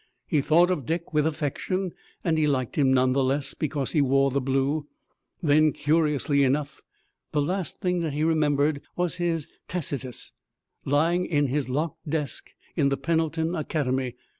He thought of Dick with affection and he liked him none the less because he wore the blue. Then, curiously enough, the last thing that he remembered was his Tacitus, lying in his locked desk in the Pendleton Academy.